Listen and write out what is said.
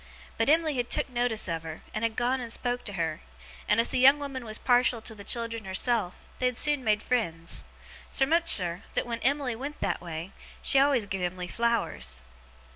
But Em'ly had took notice of her, and had gone and spoke to her; and as the young woman was partial to the children herself, they had soon made friends. Sermuchser, that when Em'ly went that way, she always giv Em'ly flowers.